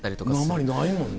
訛りないもんね。